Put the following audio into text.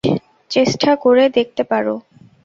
চেষ্টা করে দেখতে পারো।